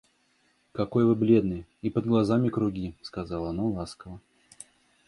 — Какой вы бледный, и под глазами круги, — сказала она ласково.